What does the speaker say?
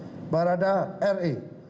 hasil ketingkapan kondisi dan pengacara